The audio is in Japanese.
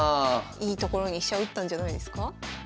いいところに飛車打ったんじゃないですか？